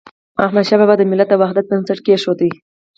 احمدشاه بابا د ملت د وحدت بنسټ کيښود.